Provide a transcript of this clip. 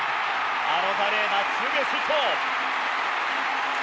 アロザレーナツーベースヒット！